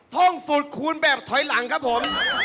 ท่องฝุดคูณแบบถอยหลังครับผม